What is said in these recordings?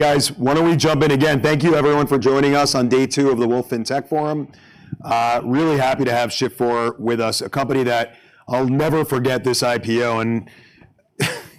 Guys, why don't we jump in again? Thank you everyone for joining us on day two of the Wolfe FinTech Forum. Really happy to have Shift4 with us, a company that I'll never forget this IPO, and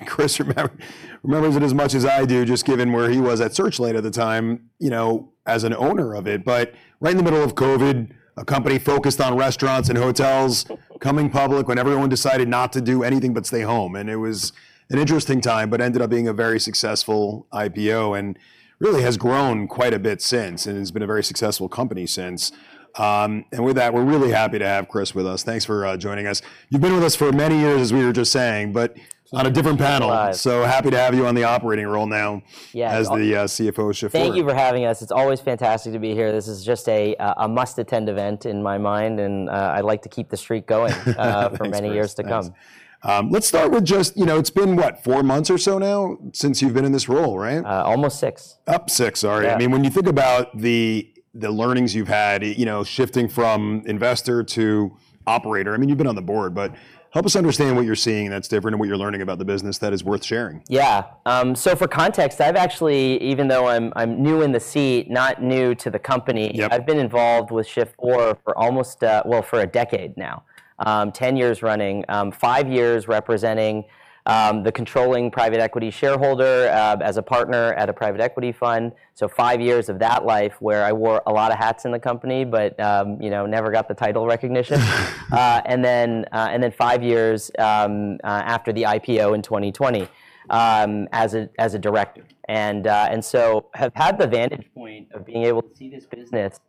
Chris remembers it as much as I do, just given where he was at Searchlight at the time, you know, as an owner of it. Right in the middle of COVID, a company focused on restaurants and hotels coming public when everyone decided not to do anything but stay home. It was an interesting time, but ended up being a very successful IPO, and really has grown quite a bit since, and has been a very successful company since. With that, we're really happy to have Chris with us. Thanks for joining us. You've been with us for many years, as we were just saying, but on a different panel. Yes. Happy to have you on the operating role now. Yeah as the CFO of Shift4 Payments. Thank you for having us. It's always fantastic to be here. This is just a must-attend event in my mind, and I'd like to keep the streak going. Thanks, Chris. For many years to come. Thanks. Let's start with just, you know, it's been, what, four months or so now since you've been in this role, right? Almost six. Oh, six. All right. Yeah. I mean, when you think about the learnings you've had, you know, shifting from investor to operator, I mean, you've been on the board, but help us understand what you're seeing that's different and what you're learning about the business that is worth sharing? Yeah. For context, I've actually even though I'm new in the seat, not new to the company. Yep. I've been involved with Shift4 Payments for almost a decade now. Well, 10 years running, five years representing the controlling private equity shareholder as a partner at a private equity fund. Five years of that life where I wore a lot of hats in the company, but you know, never got the title recognition. Then five years after the IPO in 2020 as a director. I have had the vantage point of being able to see this business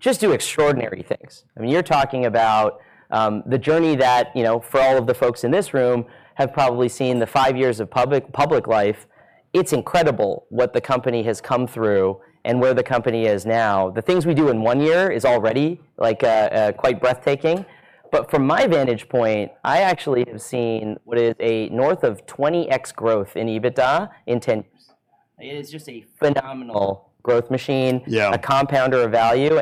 just do extraordinary things. I mean, you're talking about the journey that you know, for all of the folks in this room have probably seen the five years of public life. It's incredible what the company has come through and where the company is now. The things we do in one year is already like, quite breathtaking. From my vantage point, I actually have seen what is a north of 20x growth in EBITDA in 10 years. It is just a phenomenal growth machine. Yeah. A compounder of value,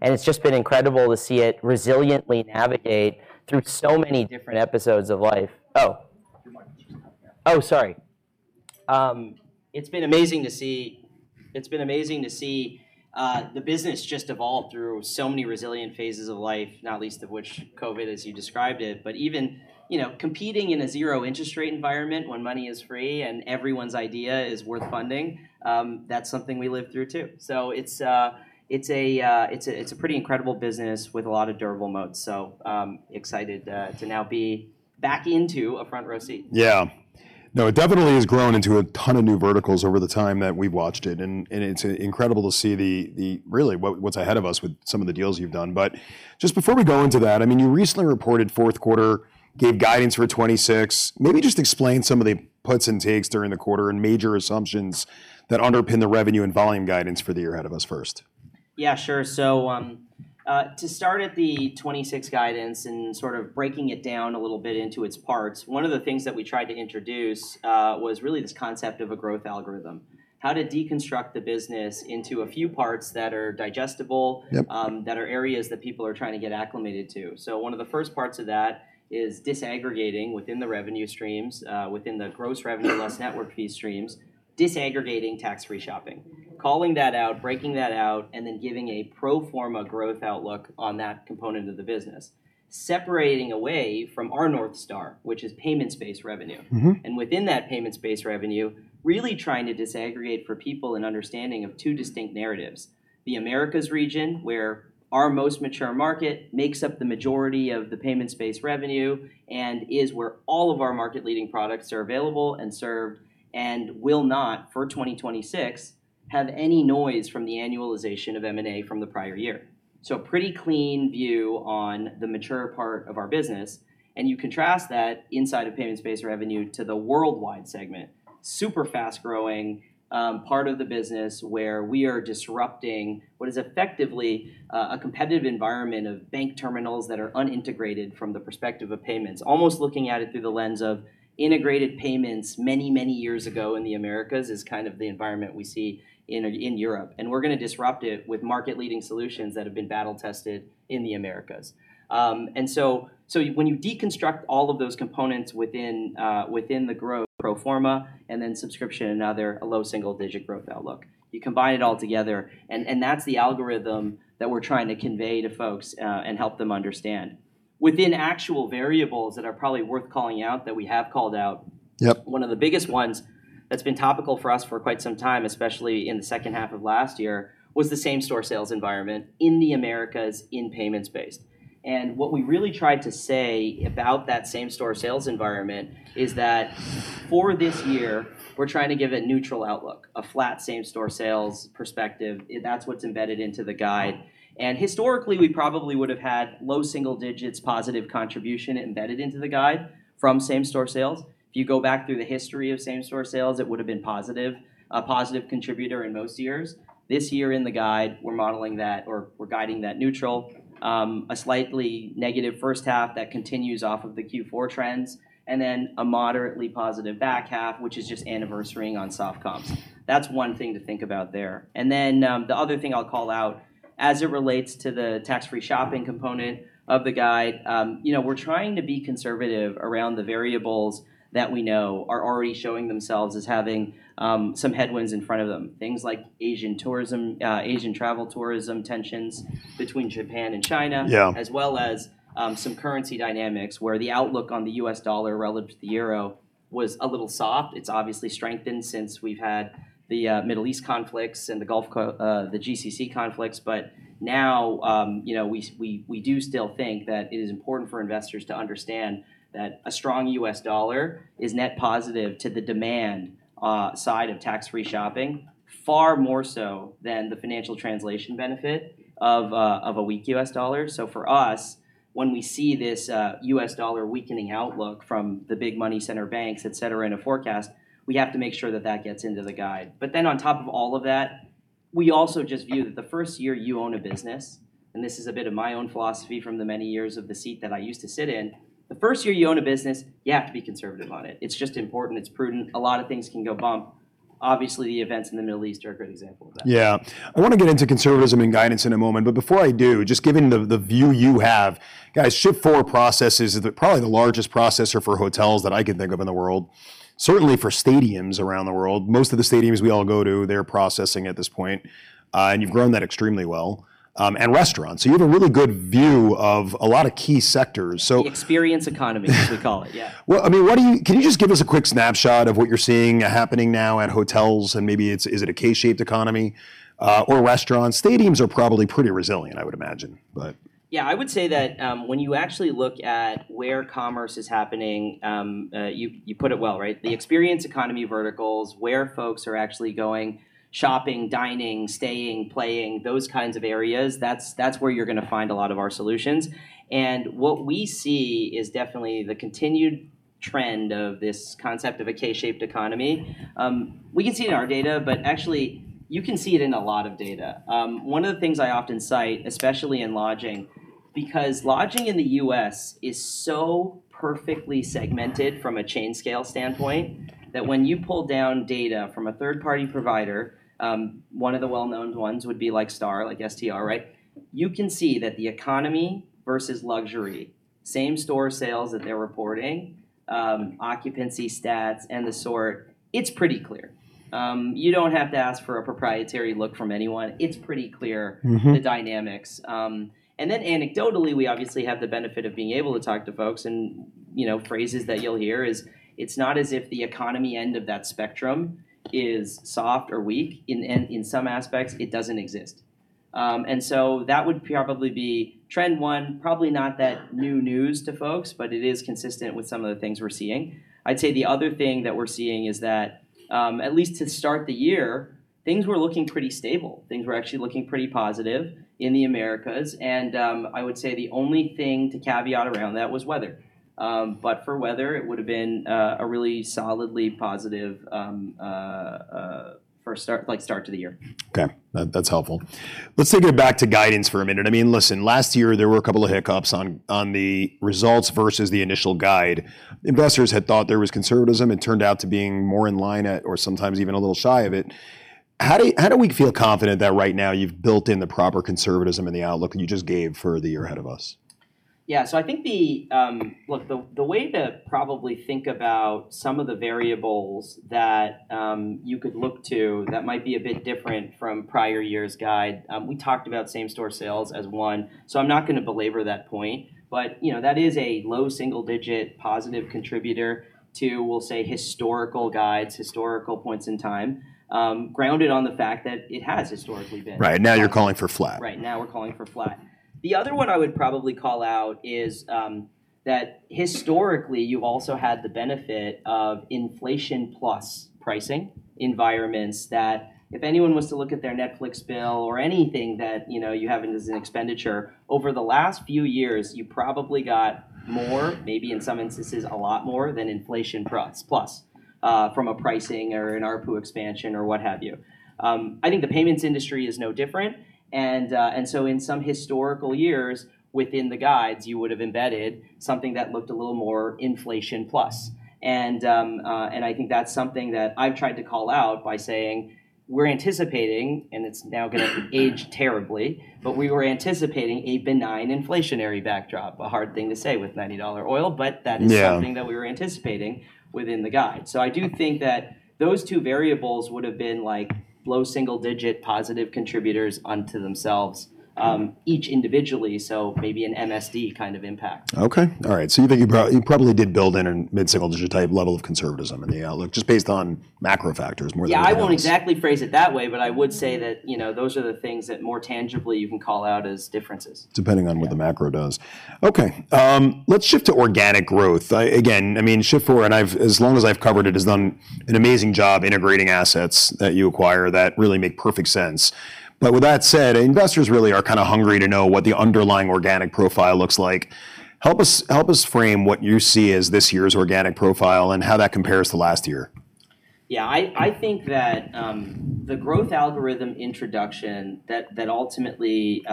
and it's just been incredible to see it resiliently navigate through so many different episodes of life. Your mic just stopped there. Oh, sorry. It's been amazing to see the business just evolve through so many resilient phases of life, not least of which COVID as you described it. Even, you know, competing in a zero interest rate environment when money is free and everyone's idea is worth funding, that's something we lived through too. It's a pretty incredible business with a lot of durable modes. Excited to now be back into a front row seat. Yeah. No, it definitely has grown into a ton of new verticals over the time that we've watched it. And it's incredible to see the really what's ahead of us with some of the deals you've done. Just before we go into that, I mean, you recently reported fourth quarter gave guidance for 2026. Maybe just explain some of the puts and takes during the quarter and major assumptions that underpin the revenue and volume guidance for the year ahead of us first. Yeah, sure. To start at the 2026 guidance and sort of breaking it down a little bit into its parts, one of the things that we tried to introduce was really this concept of a growth algorithm. How to deconstruct the business into a few parts that are digestible. Yep that are areas that people are trying to get acclimated to. One of the first parts of that is disaggregating within the revenue streams, within the gross revenue less network fees streams, disaggregating tax-free shopping. Calling that out, breaking that out, and then giving a pro forma growth outlook on that component of the business. Separating away from our North Star, which is payments-based revenue. Within that payments-based revenue, really trying to disaggregate for people an understanding of two distinct narratives. The Americas region, where our most mature market makes up the majority of the payments-based revenue, and is where all of our market-leading products are available and served, and will not, for 2026, have any noise from the annualization of M&A from the prior year. A pretty clean view on the mature part of our business, and you contrast that inside of payments-based revenue to the worldwide segment. Super fast-growing part of the business where we are disrupting what is effectively, a competitive environment of bank terminals that are unintegrated from the perspective of payments. Almost looking at it through the lens of integrated payments many, many years ago in the Americas is kind of the environment we see in Europe, and we're gonna disrupt it with market-leading solutions that have been battle-tested in the Americas. When you deconstruct all of those components within the growth pro forma and then subscription and other, a low single-digit growth outlook. You combine it all together and that's the algorithm that we're trying to convey to folks and help them understand. Within actual variables that are probably worth calling out that we have called out. Yep. One of the biggest ones that's been topical for us for quite some time, especially in the second half of last year, was the same-store sales environment in the Americas in payments-based. What we really tried to say about that same-store sales environment is that for this year, we're trying to give a neutral outlook, a flat same-store sales perspective. That's what's embedded into the guide. Historically, we probably would have had low single digits positive contribution embedded into the guide from same-store sales. If you go back through the history of same-store sales, it would have been positive, a positive contributor in most years. This year in the guide, we're modeling that or we're guiding that neutral, a slightly negative first half that continues off of the Q4 trends, and then a moderately positive back half, which is just anniversarying on soft comps. That's one thing to think about there. Then, the other thing I'll call out as it relates to the tax-free shopping component of the guide, you know, we're trying to be conservative around the variables that we know are already showing themselves as having some headwinds in front of them. Things like Asian travel tourism tensions between Japan and China. Yeah as well as some currency dynamics, where the outlook on the US dollar relative to the euro was a little soft. It's obviously strengthened since we've had the Middle East conflicts and the GCC conflicts. Now, you know, we do still think that it is important for investors to understand that a strong US dollar is net positive to the demand side of tax-free shopping, far more so than the financial translation benefit of a weak US dollar. For us, when we see this US dollar weakening outlook from the big money center banks, et cetera, in a forecast, we have to make sure that that gets into the guide. On top of all of that, we also just view that the first year you own a business, and this is a bit of my own philosophy from the many years of the seat that I used to sit in, the first year you own a business, you have to be conservative on it. It's just important. It's prudent. A lot of things can go bump. Obviously, the events in the Middle East are a great example of that. Yeah. I wanna get into conservatism and guidance in a moment, but before I do, just given the view you have, guys, Shift4 Payments processing is probably the largest processor for hotels that I can think of in the world, certainly for stadiums around the world. Most of the stadiums we all go to, they're processing at this point, and you've grown that extremely well, and restaurants. You have a really good view of a lot of key sectors. The experience economy, as we call it, yeah. Well, I mean, can you just give us a quick snapshot of what you're seeing happening now at hotels, and maybe it's, is it a K-shaped economy, or restaurants? Stadiums are probably pretty resilient, I would imagine. Yeah, I would say that, when you actually look at where commerce is happening, you put it well, right? The experience economy verticals where folks are actually going shopping, dining, staying, playing, those kinds of areas, that's where you're gonna find a lot of our solutions. What we see is definitely the continued trend of this concept of a K-shaped economy. We can see it in our data, but actually you can see it in a lot of data. One of the things I often cite, especially in lodging, because lodging in the U.S. is so perfectly segmented from a chain scale standpoint, that when you pull down data from a third-party provider, one of the well-known ones would be like STR, right? You can see that the economy versus luxury, same-store sales that they're reporting, occupancy stats and the sort, it's pretty clear. You don't have to ask for a proprietary look from anyone. It's pretty clear the dynamics. Anecdotally, we obviously have the benefit of being able to talk to folks, and, you know, phrases that you'll hear is, it's not as if the economy end of that spectrum is soft or weak. In some aspects, it doesn't exist. That would probably be trend one, probably not that new news to folks, but it is consistent with some of the things we're seeing. I'd say the other thing that we're seeing is that, at least to start the year, things were looking pretty stable. Things were actually looking pretty positive in the Americas, and I would say the only thing to caveat around that was weather. For weather, it would've been a really solidly positive start to the year. Okay. That's helpful. Let's take it back to guidance for a minute. I mean, listen, last year there were a couple of hiccups on the results versus the initial guide. Investors had thought there was conservatism. It turned out to being more in line at or sometimes even a little shy of it. How do we feel confident that right now you've built in the proper conservatism in the outlook you just gave for the year ahead of us? Yeah. I think the way to probably think about some of the variables that you could look to that might be a bit different from prior years' guide. We talked about same-store sales as one, so I'm not gonna belabor that point. You know, that is a low single-digit positive contributor to, we'll say, historical guides, historical points in time, grounded on the fact that it has historically been- Right. Now you're calling for flat. Right. Now we're calling for flat. The other one I would probably call out is that historically you also had the benefit of inflation plus pricing environments that if anyone was to look at their Netflix bill or anything that, you know, you have as an expenditure, over the last few years, you probably got more, maybe in some instances a lot more than inflation plus from a pricing or an ARPU expansion or what have you. I think the payments industry is no different, and so in some historical years within the guides, you would've embedded something that looked a little more inflation plus. I think that's something that I've tried to call out by saying we're anticipating, and it's now gonna age terribly, but we were anticipating a benign inflationary backdrop. A hard thing to say with $90 oil, but that is. Yeah something that we were anticipating within the guide. I do think that those two variables would've been like low single digit positive contributors onto themselves, each individually, so maybe an MSD kind of impact. You think you probably did build in a mid-single digit type level of conservatism in the outlook just based on macro factors more than? Yeah, I won't exactly phrase it that way, but I would say that, you know, those are the things that more tangibly you can call out as differences. Depending on what the macro does. Okay. Let's shift to organic growth. I mean, Shift4 Payments, and I've, as long as I've covered it, has done an amazing job integrating assets that you acquire that really make perfect sense. With that said, investors really are kinda hungry to know what the underlying organic profile looks like. Help us frame what you see as this year's organic profile and how that compares to last year. Yeah, I think that the growth algorithm introduction that ultimately,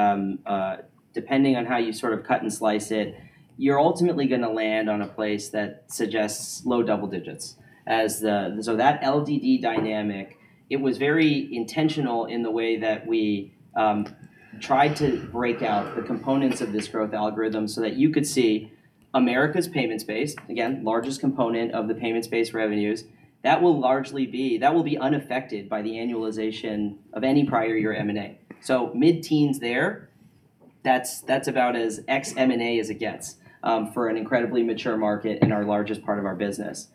depending on how you sort of cut and slice it, you're ultimately gonna land on a place that suggests low double digits as the LDD dynamic. It was very intentional in the way that we tried to break out the components of this growth algorithm so that you could see America's payments-based, again, largest component of the payments-based revenues, that will largely be unaffected by the annualization of any prior year M&A. Mid-teens there, that's about as ex M&A as it gets, for an incredibly mature market in our largest part of our business.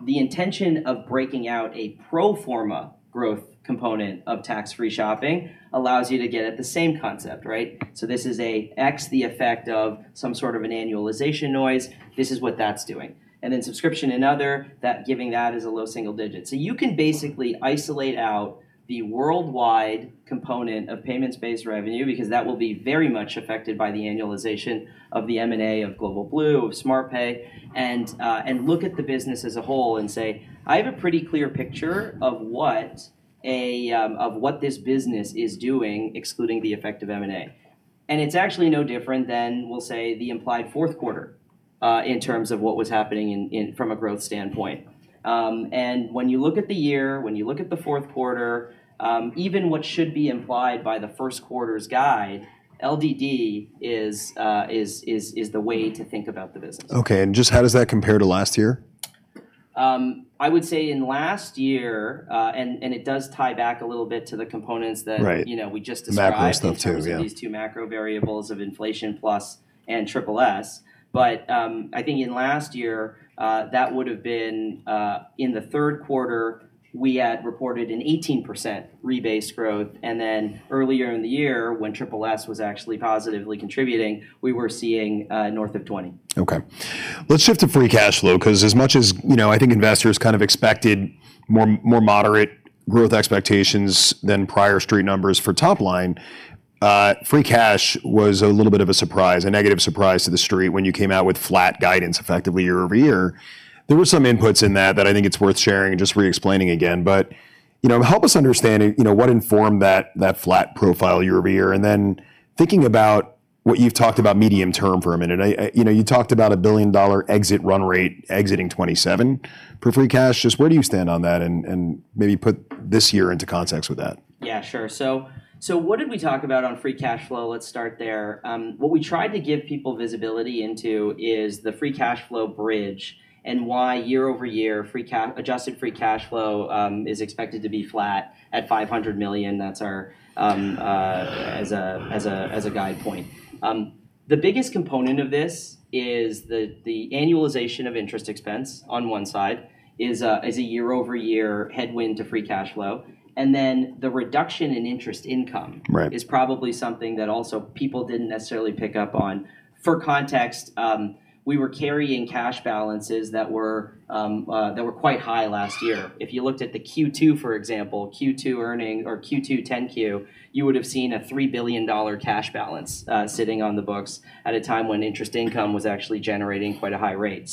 The intention of breaking out a pro forma growth component of tax-free shopping allows you to get at the same concept, right? This is the effect of some sort of an annualization noise. This is what that's doing. Then subscription and other, that's giving us a low single digit. You can basically isolate out the worldwide component of payments-based revenue because that will be very much affected by the annualization of the M&A of Global Blue, of Appetize, and look at the business as a whole and say, "I have a pretty clear picture of what this business is doing excluding the effect of M&A." It's actually no different than, we'll say, the implied fourth quarter in terms of what was happening from a growth standpoint. When you look at the year, when you look at the fourth quarter, even what should be implied by the first quarter's guide, LDD is the way to think about the business. Okay. Just how does that compare to last year? I would say in last year, and it does tie back a little bit to the components that. Right You know, we just described. The macro stuff too, yeah. In terms of these two macro variables of inflation plus and SSS. I think in last year, that would've been, in the third quarter we had reported an 18% rebased growth, and then earlier in the year when SSS was actually positively contributing, we were seeing north of 20%. Okay. Let's shift to free cash flow, 'cause as much as, you know, I think investors kind of expected more moderate growth expectations than prior street numbers for top line, free cash was a little bit of a surprise, a negative surprise to the street when you came out with flat guidance effectively year-over-year. There were some inputs in that that I think it's worth sharing and just re-explaining again. You know, help us understand, you know, what informed that flat profile year-over-year. Thinking about what you've talked about medium term for a minute. You know, you talked about a billion-dollar exit run rate exiting 2027 for free cash. Just where do you stand on that and maybe put this year into context with that? Yeah, sure. What did we talk about on free cash flow? Let's start there. What we tried to give people visibility into is the free cash flow bridge and why year-over-year adjusted free cash flow is expected to be flat at $500 million. That's our as a guide point. The biggest component of this is the annualization of interest expense on one side is a year-over-year headwind to free cash flow, and then the reduction in interest income. Right. is probably something that also people didn't necessarily pick up on. For context, we were carrying cash balances that were quite high last year. If you looked at the Q2, for example, Q2 earnings or Q2 Form 10-Q, you would've seen a $3 billion cash balance sitting on the books at a time when interest income was actually generating quite a high rate.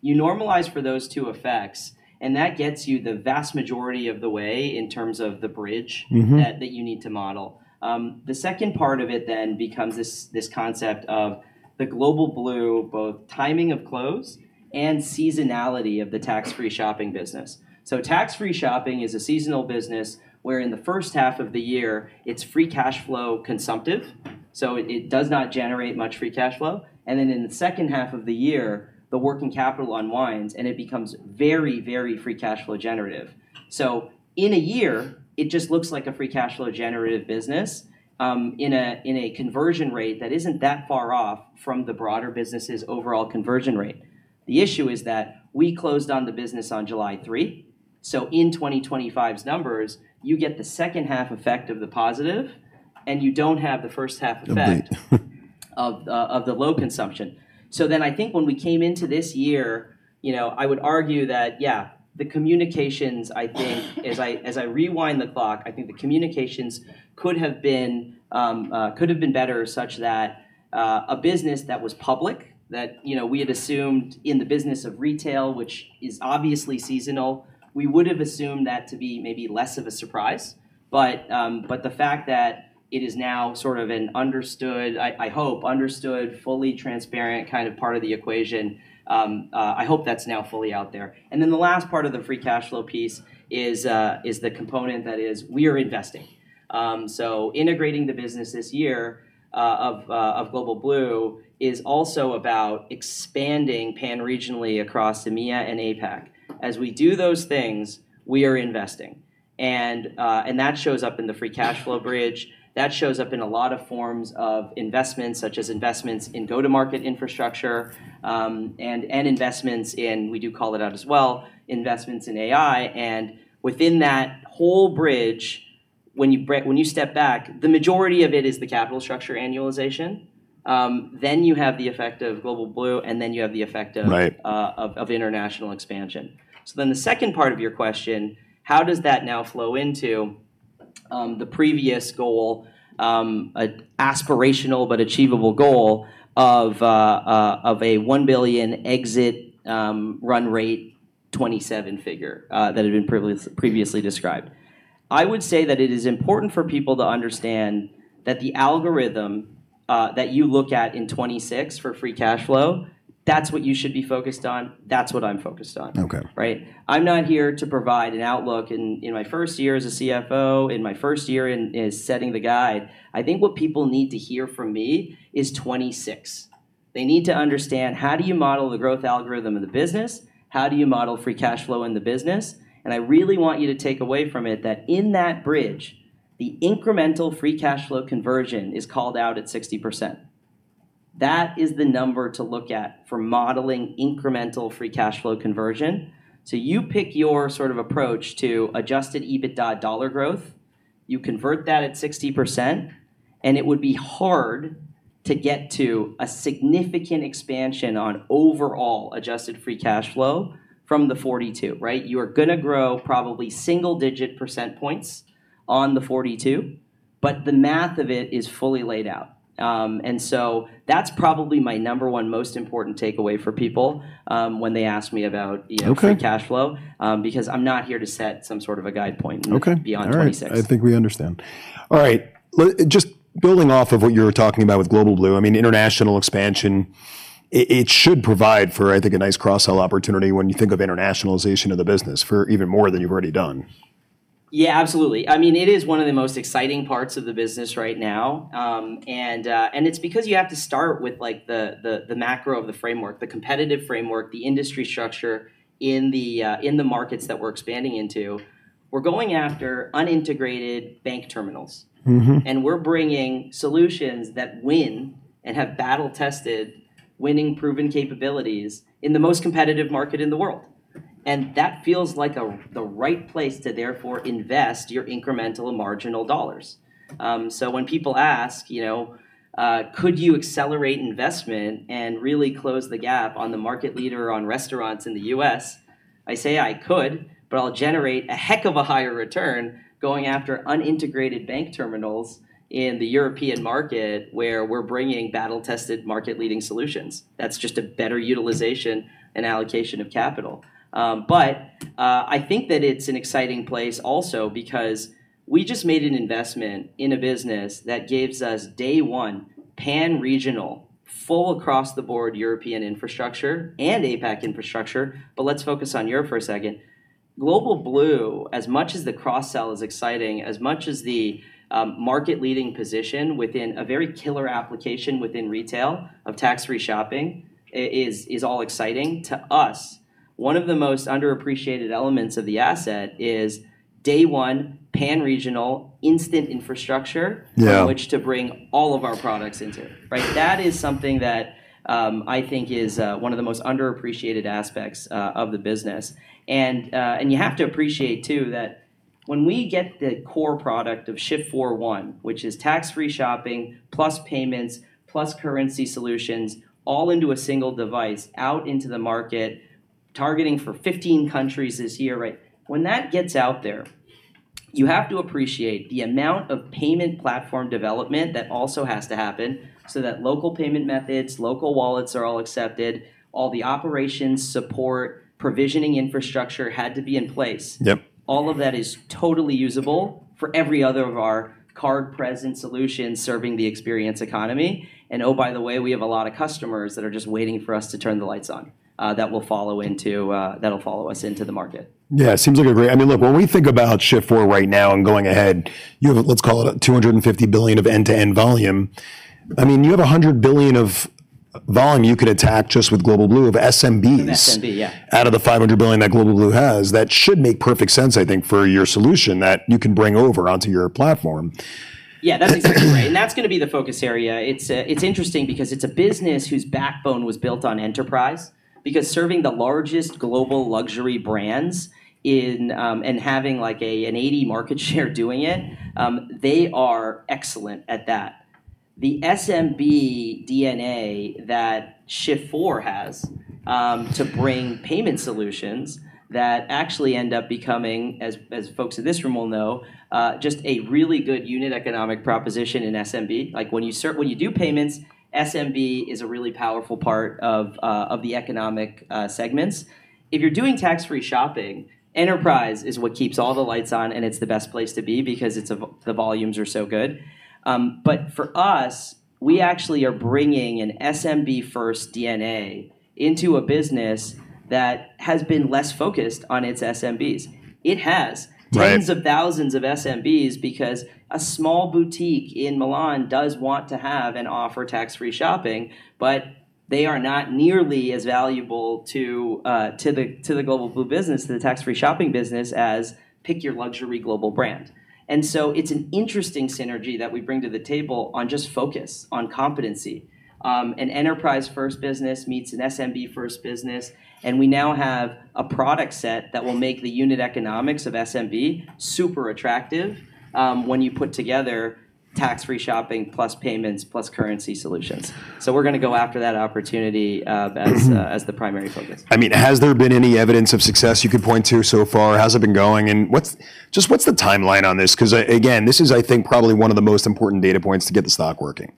You normalize for those two effects, and that gets you the vast majority of the way in terms of the bridge. that you need to model. The second part of it becomes this concept of the Global Blue both timing of close and seasonality of the tax-free shopping business. Tax-free shopping is a seasonal business where in the first half of the year it's free cash flow consumptive, so it does not generate much free cash flow. In the second half of the year, the working capital unwinds, and it becomes very free cash flow generative. In a year, it just looks like a free cash flow generative business, in a conversion rate that isn't that far off from the broader business's overall conversion rate. The issue is that we closed on the business on July 3, so in 2025's numbers, you get the second half effect of the positive, and you don't have the first half effect. The bleed. Of the low consumption. I think when we came into this year, you know, I would argue that yeah, the communications I think as I rewind the clock, I think the communications could have been better such that a business that was public that, you know, we had assumed in the business of retail, which is obviously seasonal, we would've assumed that to be maybe less of a surprise. The fact that it is now sort of an understood, I hope understood, fully transparent kind of part of the equation, I hope that's now fully out there. The last part of the free cash flow piece is the component that is we are investing. Integrating the business this year of Global Blue is also about expanding pan-regionally across EMEA and APAC. As we do those things, we are investing and that shows up in the free cash flow bridge. That shows up in a lot of forms of investments such as investments in go-to-market infrastructure, and investments in, we do call it out as well, investments in AI. Within that whole bridge when you step back, the majority of it is the capital structure annualization. You have the effect of Global Blue, and you have the effect of- Right of international expansion. The second part of your question, how does that now flow into the previous goal, an aspirational but achievable goal of a $1 billion exit run rate $27 figure, that had been previously described. I would say that it is important for people to understand that the algorithm that you look at in 2026 for free cash flow, that's what you should be focused on, that's what I'm focused on. Okay. Right? I'm not here to provide an outlook in my first year as a CFO, in my first year in setting the guide. I think what people need to hear from me is 2026. They need to understand how do you model the growth algorithm of the business? How do you model free cash flow in the business? I really want you to take away from it that in that bridge, the incremental free cash flow conversion is called out at 60%. That is the number to look at for modeling incremental free cash flow conversion. So you pick your sort of approach to adjusted EBITDA dollar growth, you convert that at 60%, and it would be hard to get to a significant expansion on overall adjusted free cash flow from the 42, right? You're gonna grow probably single-digit percentage points on the 42, but the math of it is fully laid out. That's probably my number one most important takeaway for people when they ask me about, you know. Okay free cash flow, because I'm not here to set some sort of a guide point. Okay. All right Beyond 2026. I think we understand. All right. Just building off of what you were talking about with Global Blue, I mean, international expansion, it should provide for, I think, a nice cross-sell opportunity when you think of internationalization of the business for even more than you've already done. Yeah, absolutely. I mean, it is one of the most exciting parts of the business right now. It's because you have to start with like the macro of the framework, the competitive framework, the industry structure in the markets that we're expanding into. We're going after unintegrated bank terminals. We're bringing solutions that win and have battle-tested winning proven capabilities in the most competitive market in the world. That feels like the right place to therefore invest your incremental and marginal dollars. So when people ask, you know, "Could you accelerate investment and really close the gap on the market leader on restaurants in the U.S.?" I say, "I could, but I'll generate a heck of a higher return going after unintegrated bank terminals in the European market where we're bringing battle-tested market-leading solutions." That's just a better utilization and allocation of capital. But I think that it's an exciting place also because we just made an investment in a business that gives us day one pan-regional, full across the board European infrastructure and APAC infrastructure, but let's focus on Europe for a second. Global Blue, as much as the cross-sell is exciting, as much as the market-leading position within a very killer application within retail of tax-free shopping is all exciting, to us, one of the most underappreciated elements of the asset is day one pan-regional instant infrastructure. Yeah. on which to bring all of our products into, right? That is something that, I think is, one of the most underappreciated aspects, of the business. You have to appreciate too that when we get the core product of Shift4 One, which is tax-free shopping, plus payments, plus currency solutions, all into a single device out into the market, targeting for 15 countries this year, right? When that gets out there, you have to appreciate the amount of payment platform development that also has to happen so that local payment methods, local wallets are all accepted, all the operations support, provisioning infrastructure had to be in place. Yep. All of that is totally usable for every other of our card-present solutions serving the experience economy. Oh, by the way, we have a lot of customers that are just waiting for us to turn the lights on, that'll follow us into the market. I mean, look, when we think about Shift4 right now and going ahead, you have, let's call it $250 billion of end-to-end volume. I mean, you have $100 billion of volume you could attack just with Global Blue of SMBs. SMB, yeah out of the $500 billion that Global Blue has. That should make perfect sense, I think, for your solution that you can bring over onto your platform. Yeah, that's exactly right, and that's gonna be the focus area. It's interesting because it's a business whose backbone was built on enterprise because serving the largest global luxury brands in and having like an 80% market share doing it, they are excellent at that. The SMB DNA that Shift4 has to bring payment solutions that actually end up becoming, as folks in this room will know, just a really good unit economic proposition in SMB. Like when you do payments, SMB is a really powerful part of the economic segments. If you're doing tax-free shopping, enterprise is what keeps all the lights on, and it's the best place to be because the volumes are so good. For us, we actually are bringing an SMB first DNA into a business that has been less focused on its SMBs. Right tens of thousands of SMBs because a small boutique in Milan does want to have and offer tax-free shopping, but they are not nearly as valuable to the Global Blue business, to the tax-free shopping business as pick your luxury global brand. It's an interesting synergy that we bring to the table on just focus, on competency. An enterprise-first business meets an SMB-first business, and we now have a product set that will make the unit economics of SMB super attractive when you put together tax-free shopping, plus payments, plus currency solutions. We're gonna go after that opportunity as the primary focus. I mean, has there been any evidence of success you could point to so far? How's it been going, and just what's the timeline on this? 'Cause again, this is, I think, probably one of the most important data points to get the stock working,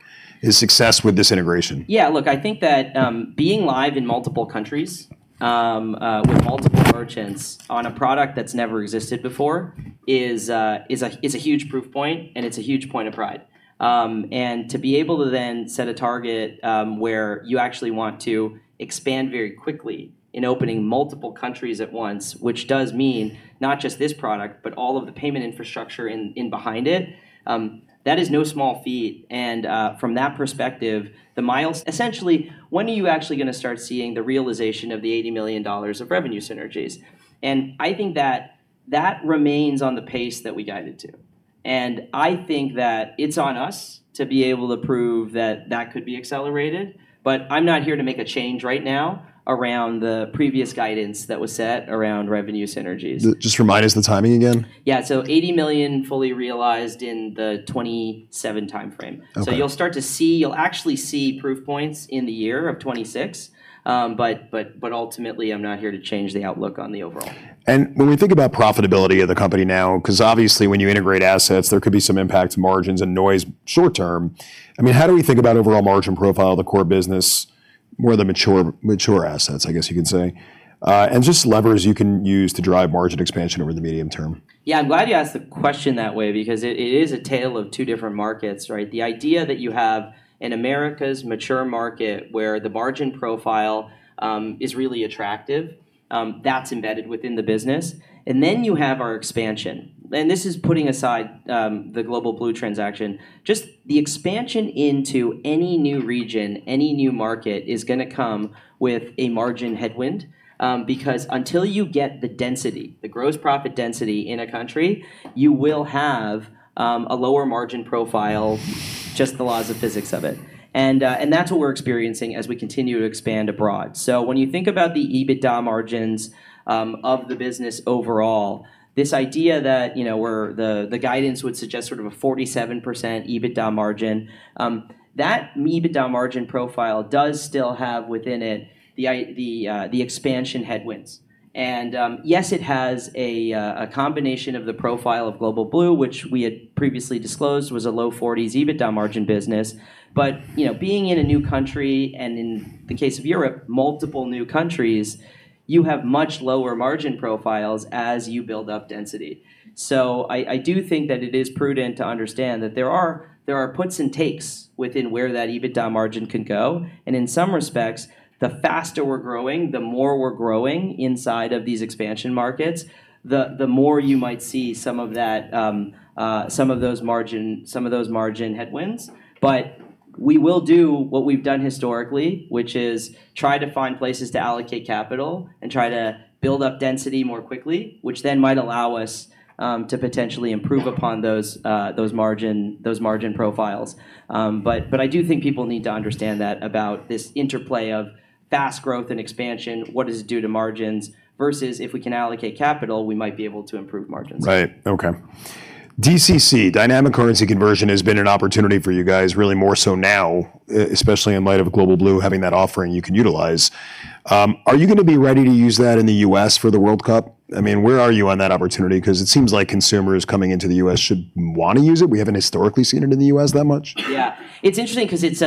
is success with this integration. Yeah, look, I think that, being live in multiple countries, with multiple merchants on a product that's never existed before is a huge proof point, and it's a huge point of pride. To be able to then set a target, where you actually want to expand very quickly in opening multiple countries at once, which does mean not just this product, but all of the payment infrastructure in behind it, that is no small feat. From that perspective, essentially, when are you actually gonna start seeing the realization of the $80 million of revenue synergies? I think that that remains on the pace that we guided to. I think that it's on us to be able to prove that that could be accelerated. I'm not here to make a change right now around the previous guidance that was set around revenue synergies. Just remind us the timing again? Yeah. $80 million fully realized in the 2027 timeframe. Okay. You'll actually see proof points in the year of 2026. But ultimately, I'm not here to change the outlook on the overall. When we think about profitability of the company now, 'cause obviously when you integrate assets, there could be some impact to margins and noise short term. I mean, how do we think about overall margin profile of the core business, more the mature assets, I guess you could say, and just levers you can use to drive margin expansion over the medium term? Yeah. I'm glad you asked the question that way because it is a tale of two different markets, right? The idea that you have an Americas mature market where the margin profile is really attractive, that's embedded within the business, and then you have our expansion. This is putting aside the Global Blue transaction. Just the expansion into any new region, any new market is gonna come with a margin headwind, because until you get the density, the gross profit density in a country, you will have a lower margin profile, just the laws of physics of it. That's what we're experiencing as we continue to expand abroad. When you think about the EBITDA margins of the business overall, this idea that, you know, the guidance would suggest sort of a 47% EBITDA margin, that EBITDA margin profile does still have within it the expansion headwinds. Yes, it has a combination of the profile of Global Blue, which we had previously disclosed was a low 40s EBITDA margin business. You know, being in a new country, and in the case of Europe, multiple new countries, you have much lower margin profiles as you build up density. I do think that it is prudent to understand that there are puts and takes within where that EBITDA margin can go. In some respects, the faster we're growing, the more we're growing inside of these expansion markets, the more you might see some of that, some of those margin headwinds. We will do what we've done historically, which is try to find places to allocate capital and try to build up density more quickly, which then might allow us to potentially improve upon those margin profiles. I do think people need to understand that about this interplay of fast growth and expansion, what is due to margins, versus if we can allocate capital, we might be able to improve margins. Right. Okay. DCC, Dynamic Currency Conversion, has been an opportunity for you guys really more so now, especially in light of Global Blue having that offering you can utilize. Are you gonna be ready to use that in the U.S. for the World Cup? I mean, where are you on that opportunity? 'Cause it seems like consumers coming into the U.S. should wanna use it. We haven't historically seen it in the U.S. that much. Yeah. It's interesting 'cause it's.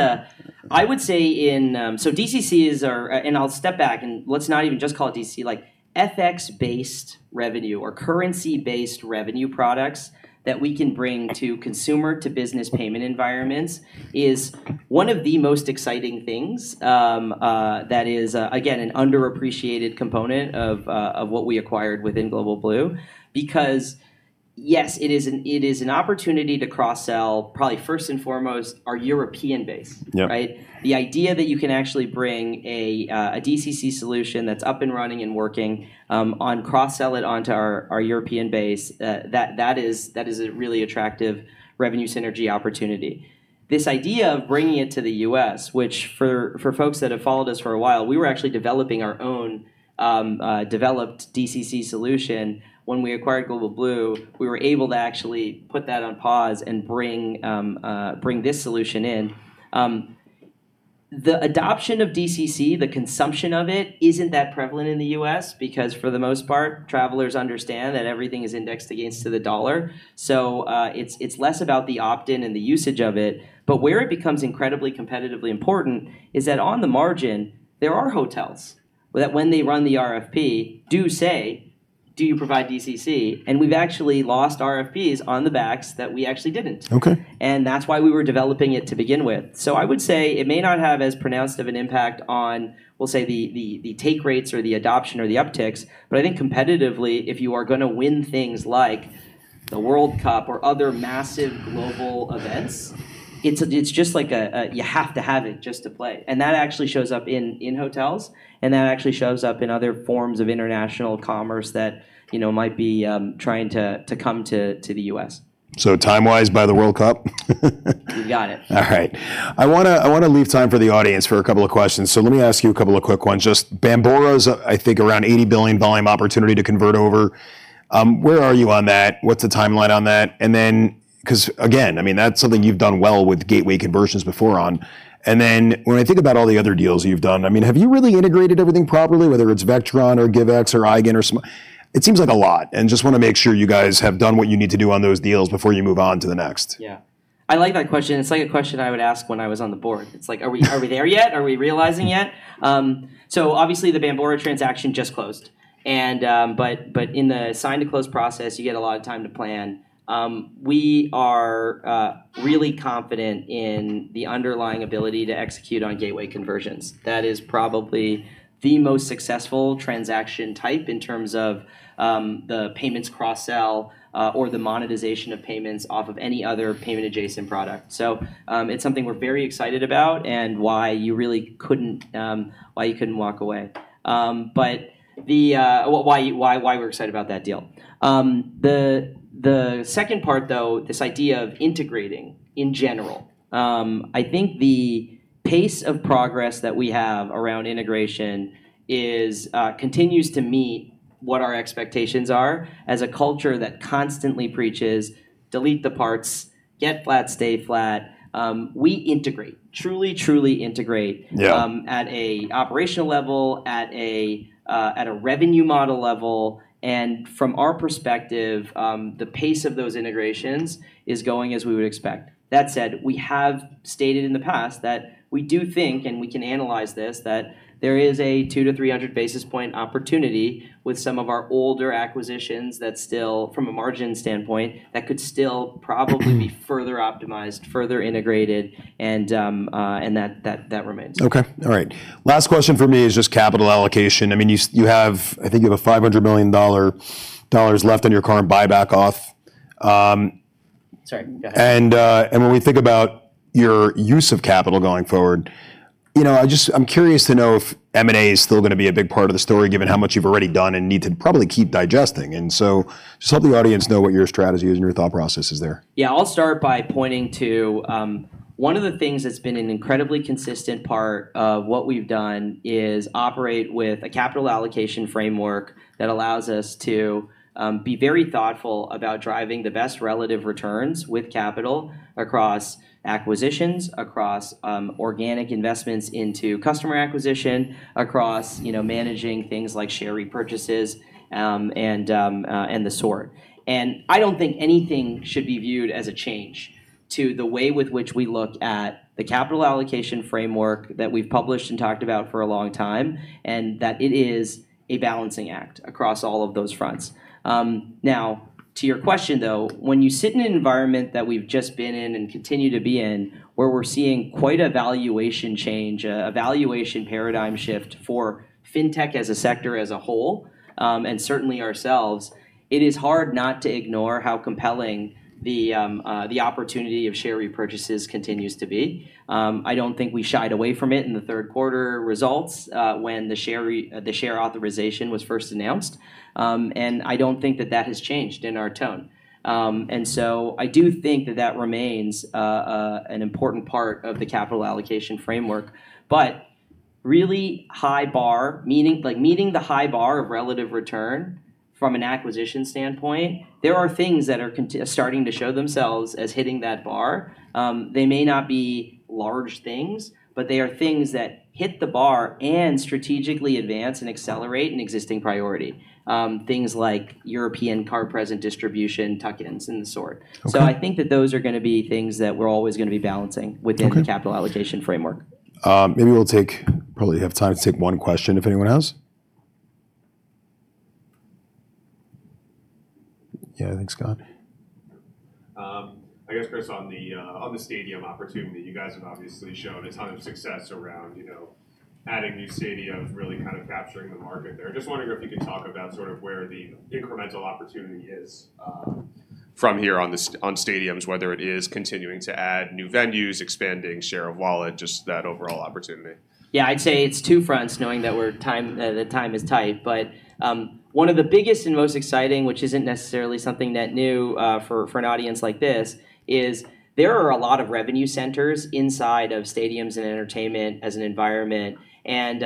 I would say in. I'll step back, and let's not even just call it DCC. Like, FX-based revenue or currency-based revenue products that we can bring to consumer-to-business payment environments is one of the most exciting things that is, again, an underappreciated component of what we acquired within Global Blue. Because, yes, it is an opportunity to cross-sell probably first and foremost our European base. Yep. Right? The idea that you can actually bring a DCC solution that's up and running and working, and cross-sell it onto our European base, that is a really attractive revenue synergy opportunity. This idea of bringing it to the U.S., which for folks that have followed us for a while, we were actually developing our own DCC solution. When we acquired Global Blue, we were able to actually put that on pause and bring this solution in. The adoption of DCC, the consumption of it isn't that prevalent in the U.S. because for the most part, travelers understand that everything is indexed against the US dollar. It's less about the opt-in and the usage of it. Where it becomes incredibly competitively important is that on the margin, there are hotels that when they run the RFP, do say, "Do you provide DCC?" We've actually lost RFPs on the basis that we actually didn't. Okay. That's why we were developing it to begin with. I would say it may not have as pronounced of an impact on, we'll say the take rates or the adoption or the upticks, but I think competitively, if you are gonna win things like the World Cup or other massive global events, it's just like you have to have it just to play. That actually shows up in hotels, and that actually shows up in other forms of international commerce that, you know, might be trying to come to the U.S. Time-wise, by the World Cup? You got it. All right. I wanna leave time for the audience for a couple of questions. Let me ask you a couple of quick ones. Just Bambora's, I think, around $80 billion volume opportunity to convert over. Where are you on that? What's the timeline on that? 'Cause again, I mean, that's something you've done well with gateway conversions before on. Then when I think about all the other deals you've done, I mean, have you really integrated everything properly, whether it's Vectron or Givex or Finaro. It seems like a lot, and just wanna make sure you guys have done what you need to do on those deals before you move on to the next. Yeah. I like that question. It's like a question I would ask when I was on the board. Are we there yet? Are we realizing yet? Obviously the Bambora transaction just closed, but in the sign-to-close process, you get a lot of time to plan. We are really confident in the underlying ability to execute on gateway conversions. That is probably the most successful transaction type in terms of the payments cross-sell or the monetization of payments off of any other payment-adjacent product. It's something we're very excited about and why you really couldn't walk away. Why we're excited about that deal. The second part though, this idea of integrating in general, I think the pace of progress that we have around integration is, continues to meet what our expectations are as a culture that constantly preaches delete the parts, get flat, stay flat, we integrate, truly integrate. Yeah. At an operational level, at a revenue model level, and from our perspective, the pace of those integrations is going as we would expect. That said, we have stated in the past that we do think, and we can analyze this, that there is a 200 basis points-300 basis point opportunity with some of our older acquisitions that still, from a margin standpoint, that could still probably be further optimized, further integrated, and that remains. Okay. All right. Last question for me is just capital allocation. I mean, I think you have $500 million left on your current buyback offer. Sorry. Go ahead. When we think about your use of capital going forward, you know, I'm curious to know if M&A is still gonna be a big part of the story given how much you've already done and need to probably keep digesting. Just let the audience know what your strategy is and your thought process is there. Yeah. I'll start by pointing to one of the things that's been an incredibly consistent part of what we've done is operate with a capital allocation framework that allows us to be very thoughtful about driving the best relative returns with capital across acquisitions, across organic investments into customer acquisition, across, you know, managing things like share repurchases, and the sort. I don't think anything should be viewed as a change to the way with which we look at the capital allocation framework that we've published and talked about for a long time, and that it is a balancing act across all of those fronts. Now to your question though, when you sit in an environment that we've just been in and continue to be in, where we're seeing quite a valuation change, a valuation paradigm shift for fintech as a sector as a whole, and certainly ourselves, it is hard not to ignore how compelling the opportunity of share repurchases continues to be. I don't think we shied away from it in the third quarter results, when the share authorization was first announced. I don't think that has changed in our tone. I do think that remains an important part of the capital allocation framework. Really high bar, meaning, like meeting the high bar of relative return from an acquisition standpoint, there are things that are starting to show themselves as hitting that bar. They may not be large things, but they are things that hit the bar and strategically advance and accelerate an existing priority. Things like European card-present distribution tuck-ins and the sort. Okay. I think that those are gonna be things that we're always gonna be balancing. Okay within the capital allocation framework. Probably have time to take one question if anyone has. Yeah, I think Scott. I guess, Chris, on the stadium opportunity, you guys have obviously shown a ton of success around, you know, adding new stadiums, really kind of capturing the market there. Just wondering if you could talk about sort of where the incremental opportunity is, from here on stadiums, whether it is continuing to add new venues, expanding share of wallet, just that overall opportunity. Yeah. I'd say it's two fronts, knowing that the time is tight. One of the biggest and most exciting, which isn't necessarily something that's new for an audience like this, is that there are a lot of revenue centers inside of stadiums and entertainment as an environment and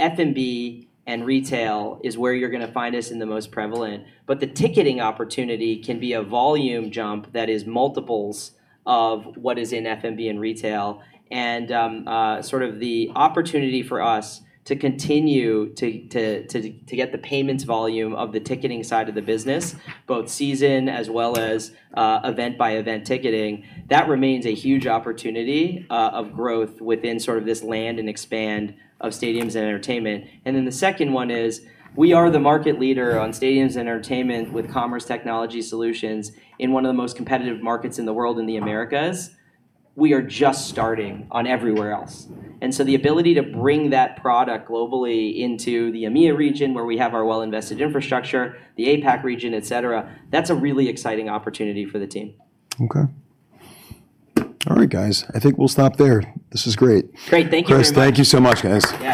F&B and retail is where you're gonna find us most prevalent. The ticketing opportunity can be a volume jump that is multiples of what is in F&B and retail and sort of the opportunity for us to continue to get the payments volume of the ticketing side of the business, both season as well as event-by-event ticketing, that remains a huge opportunity of growth within sort of this land and expand of stadiums and entertainment. The second one is, we are the market leader on stadiums and entertainment with commerce technology solutions in one of the most competitive markets in the world in the Americas. We are just starting on everywhere else. The ability to bring that product globally into the EMEA region, where we have our well-invested infrastructure, the APAC region, et cetera, that's a really exciting opportunity for the team. Okay. All right, guys. I think we'll stop there. This was great. Great. Thank you very much. Chris, thank you so much, guys. Yeah.